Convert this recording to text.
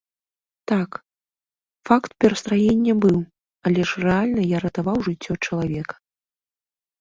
Так, факт перастраення быў, але ж рэальна я ратаваў жыццё чалавека!